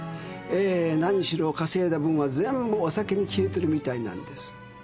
え何しろ稼いだ分は全部お酒に消えてるみたいなんです。